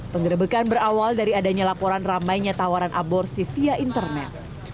penggerebekan berawal dari adanya laporan ramainya tawaran aborsi via internet